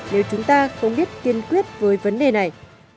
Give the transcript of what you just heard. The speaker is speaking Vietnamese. nếu chúng ta không biết kiên quyết với vấn đề này